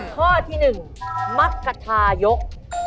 ข้อที่๑มรรคทายก